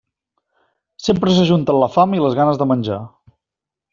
Sempre s'ajunten la fam i les ganes de menjar.